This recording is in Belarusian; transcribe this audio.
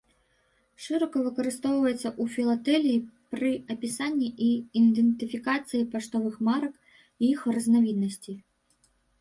Шырока выкарыстоўваецца ў філатэліі пры апісанні і ідэнтыфікацыі паштовых марак і іх разнавіднасцей.